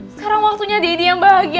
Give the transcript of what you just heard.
sekarang waktunya deddy yang bahagia